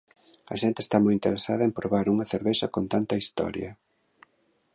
A xente está moi interesada en probar unha cervexa con tanta historia.